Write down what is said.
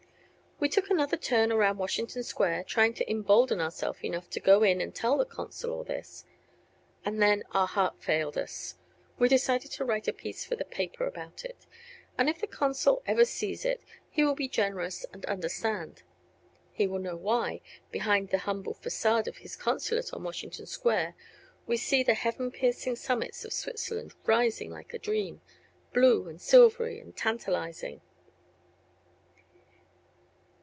We took another turn around Washington Square, trying to embolden ourself enough to go in and tell the consul all this. And then our heart failed us. We decided to write a piece for the paper about it, and if the consul ever sees it he will be generous and understand. He will know why, behind the humble façade of his consulate on Washington Square, we see the heaven piercing summits of Switzerland rising like a dream, blue and silvery and tantalizing.